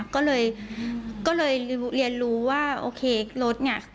ก็เลยก็เลยเรียนรู้ว่าโอเครถเนี่ย